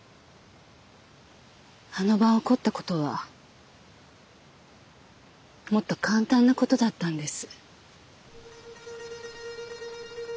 あの晩起こったことはもっと簡単なことだったんです。